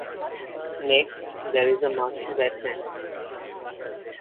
Next, there is a marshy wetland.